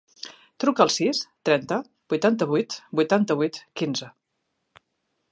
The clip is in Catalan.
Truca al sis, trenta, vuitanta-vuit, vuitanta-vuit, quinze.